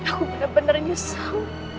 iya mas aku bener bener nyesel